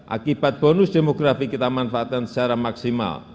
akibat bonus demografi kita manfaatkan secara maksimal